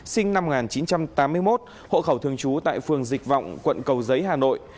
sinh năm một nghìn chín trăm tám mươi một hộ khẩu thường trú tại phường dịch vọng quận cầu giấy hà nội